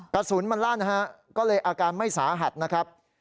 กระสุนมันลั่นฮะก็เลยอาการไม่สาหัสนะครับ